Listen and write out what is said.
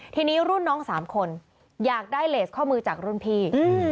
ทีนี้รุ่นน้อง๓คนอยากได้เลสข้อมือจากรุ่นพี่